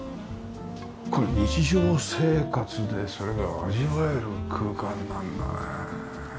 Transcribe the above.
これ日常生活でそれが味わえる空間なんだね。